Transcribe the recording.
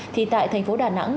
thì tại thành phố đà nẵng